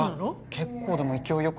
結構でも勢いよく。